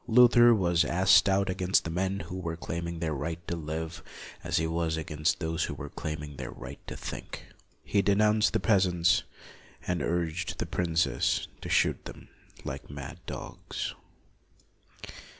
Luther was as stout against the men who were claiming their right to live, as he was 24 LUTHER against those who were claiming their right to think. He denounced the peas ants, and urged the princes to shoot them like mad dogs.